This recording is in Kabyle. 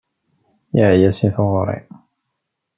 Yeεya si tɣuri.